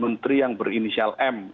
menteri yang berinisial m